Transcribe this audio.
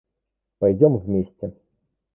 Пойдем вместе.